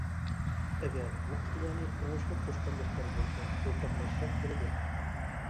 ئەگەر بۇ ئىقتىدارنى ئوڭۇشلۇق قوشقان دوستلار بولسا ئورتاقلاشساق بولىدۇ.